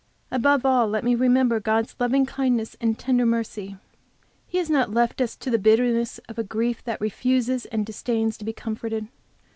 Above all let me remember God's loving kindness and tender mercy. He has not left us to the bitterness of a grief that refuses and disdains to be comforted.